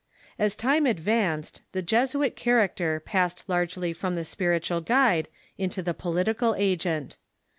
As time advanced, the Jesuit character passed largely from the spiritual guide into the political agent.